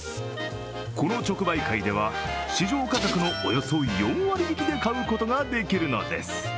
この直売会では市場価格のおよそ４割引で買うことができるのです。